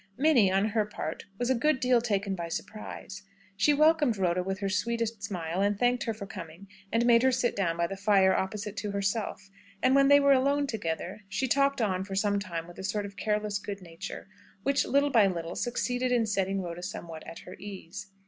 Minnie, on her part, was a good deal taken by surprise. She welcomed Rhoda with her sweetest smile, and thanked her for coming, and made her sit down by the fire opposite to herself; and when they were alone together, she talked on for some time with a sort of careless good nature, which, little by little, succeeded in setting Rhoda somewhat at her ease.